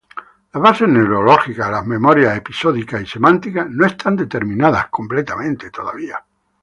Las bases neurológicas de las memorias episódica y semántica no están determinadas completamente todavía.